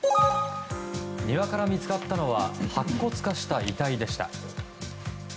庭から見つかったのは白骨化した遺体でした。